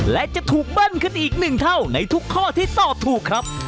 และจะถูกเบิ้ลขึ้นอีกหนึ่งเท่าในทุกข้อที่ตอบถูกครับ